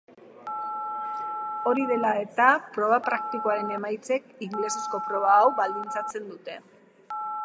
Hori dela eta, proba praktikoaren emaitzek ingelesezko proba hau baldintzatzen dute.